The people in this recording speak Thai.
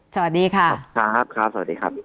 สวัสดีค่ะ